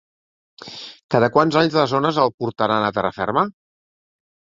Cada quants anys les ones el portaran a terra ferma?